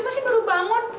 masih baru bangun